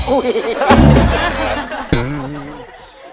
อุ้ย